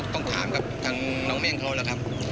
ต้องถามกับทั้งน้องเม่งเขานะครับ